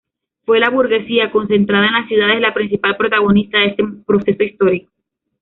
Fue la burguesía, concentrada en las ciudades, la principal protagonista de ese proceso histórico.